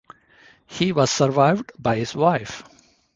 He was survived by his wife.